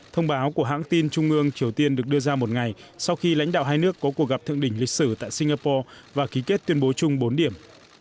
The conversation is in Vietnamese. thông báo của hãng tin trung ương triều tiên được đưa ra một ngày sau khi lãnh đạo hai nước có cuộc gặp thượng đỉnh lịch sử tại singapore và ký kết tuyên bố chung bốn điểm